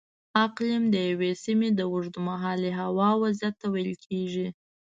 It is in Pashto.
اقلیم د یوې سیمې د اوږدمهالې هوا وضعیت ته ویل کېږي.